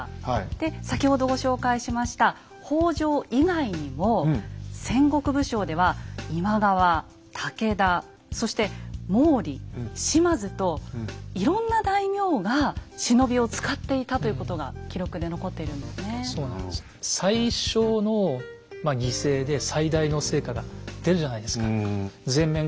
で先ほどご紹介しました北条以外にも戦国武将では今川武田そして毛利島津といろんな大名が忍びを使っていたということが記録で残っているんですね。っていうことだったんじゃないかなと思うんですよ。